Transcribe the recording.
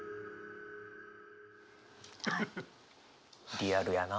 リアルやな。